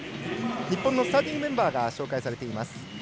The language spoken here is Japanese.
日本のスターティングメンバーが紹介されています。